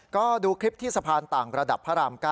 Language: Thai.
ก็ดูคลิปที่สะพานต่างระดับพระราม๙